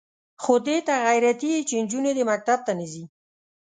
خو دې ته غیرتي یې چې نجونې دې مکتب ته نه ځي.